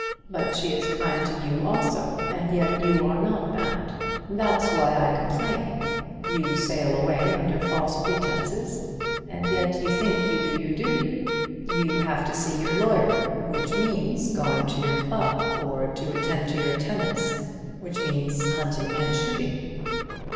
But she is kind to you also, and yet you are not bound. That's why I complain. You sail away under false pretences, and yet you think you do your duty. You have to see your lawyer, which means going to your club; or to attend to your tenants, which means hunting and shooting."